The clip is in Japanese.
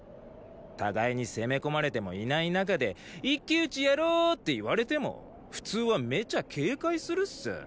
互いに攻め込まれてもいない中で一騎討ちやろーって言われても普通はメチャ警戒するっス。